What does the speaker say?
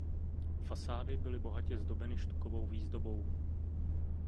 Fasády byly bohatě zdobeny štukovou výzdobou.